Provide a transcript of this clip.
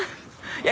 いや。